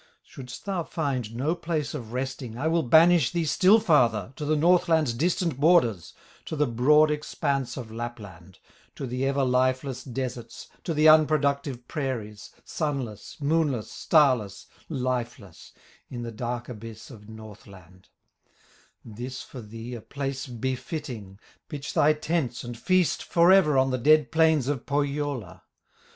"Shouldst thou find no place of resting, I will banish thee still farther, To the Northland's distant borders, To the broad expanse of Lapland, To the ever lifeless deserts, To the unproductive prairies, Sunless, moonless, starless, lifeless, In the dark abyss of Northland; This for thee, a place befitting, Pitch thy tents and feast forever On the dead plains of Pohyola.